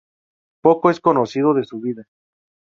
Poco es conocido de su vida.